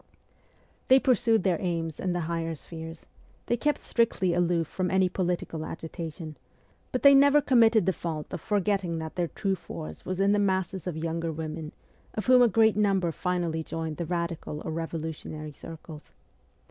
They pursued their aims in the higher spheres; they kept strictly aloof from any political agitation ; but they never committed the fault of forgetting that their true force was in the masses of younger women, of whom a great number finally joined the radical or revolutionary circles.